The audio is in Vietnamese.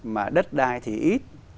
mà đất đai thì ít